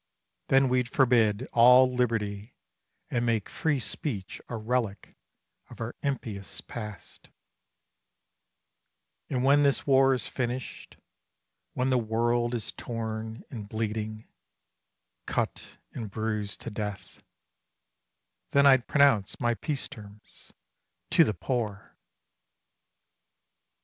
Then we'd forbid all Liberty and make Free speech a relic of our impious past ; And when this war is finished, when the world Is torn and bleeding, cut and bruised to death, Then I 'd pronounce my peace terms — to the poor